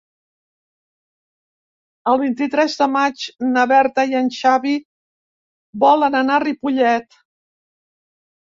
El vint-i-tres de maig na Berta i en Xavi volen anar a Ripollet.